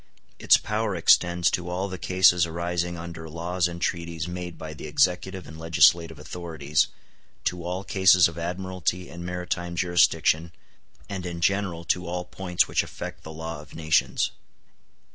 Its power extends to all the cases arising under laws and treaties made by the executive and legislative authorities, to all cases of admiralty and maritime jurisdiction, and in general to all points which affect the law of nations.